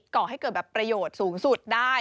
ก่อให้เกิดแบบประโยชน์สูงสุดได้